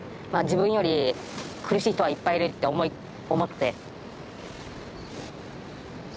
まあ自分より苦しい人はいっぱいいるって思って。